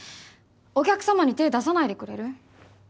お客様に手出さないでくれる？